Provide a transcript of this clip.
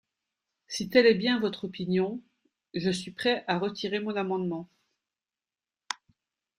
Si telle est bien votre opinion, je suis prêt à retirer mon amendement.